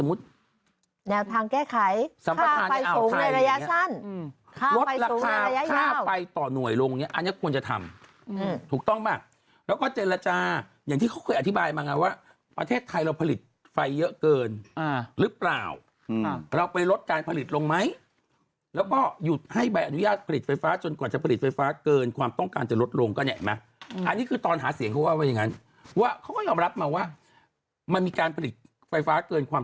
ไม่ว่าจะเป็นบ้านที่อยู่อาศัยโรงงานโรงแรม